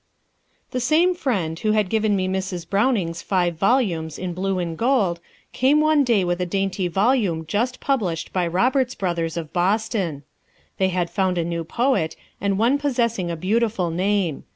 ] The same friend who had given me Mrs. Browning's five volumes in blue and gold, came one day with a dainty volume just published by Roberts Brothers, of Boston. They had found a new poet, and one possessing a beautiful name.